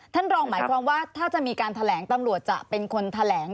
ท่านรองหมายความว่าถ้าจะมีการแถลงตำรวจจะเป็นคนแถลง